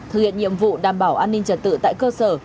thực hiện nhiệm vụ đảm bảo an ninh trật tự tại cơ sở